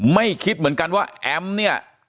ไม่คิดเหมือนกันว่าแอมเนี่ย